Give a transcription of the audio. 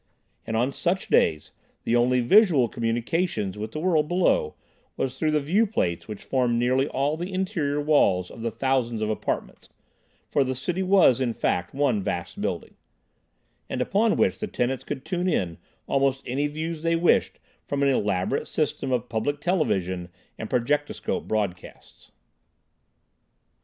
And on such days the only visual communications with the world below was through the viewplates which formed nearly all the interior walls of the thousands of apartments (for the city was, in fact, one vast building) and upon which the tenants could tune in almost any views they wished from an elaborate system of public television and projectoscope broadcasts.